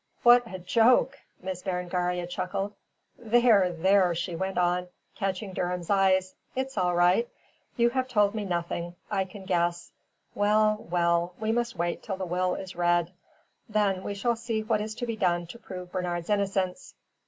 What a joke!" Miss Berengaria chuckled. "There! there!" she went on, catching Durham's eyes. "It's all right. You have told me nothing. I can guess. Well, well, we must wait till the will is read. Then we shall see what is to be done to prove Bernard's innocence."